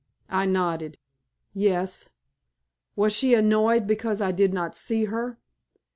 I nodded. "Yes." "Was she annoyed because I did not see her?"